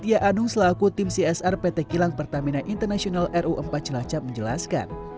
setia anung selaku tim csr pt kilang pertamina international ru empat cilacap menjelaskan